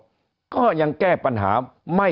หนี้ครัวเรือนก็คือชาวบ้านเราเป็นหนี้มากกว่าทุกยุคที่ผ่านมาครับ